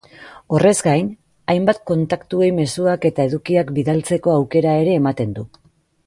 Horrez gain, hainbat kontaktuei mezuak eta edukiak bidaltzeko aukera ere ematen du.